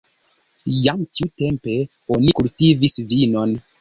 Jam tiutempe oni kultivis vinon.